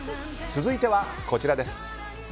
続いては、こちらです。